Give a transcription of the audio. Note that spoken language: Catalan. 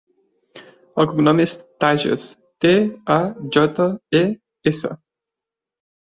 El cognom és Tajes: te, a, jota, e, essa.